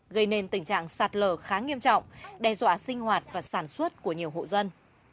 gây nên tình trạng sạt lở khá nghiêm trọng đe dọa sinh hoạt và sản xuất của nhiều hộ dân